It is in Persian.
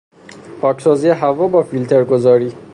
پاکسازی هوا با فیلتر گذاری